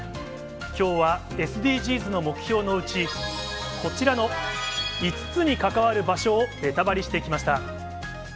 きょうはＳＤＧｓの目標のうち、こちらの５つに関わる場所をベタバリしてきました。